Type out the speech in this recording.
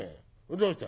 どうした？」。